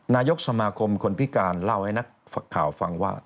นายกสมาคมคนพิการเล่าให้นักข่าวฟังว่า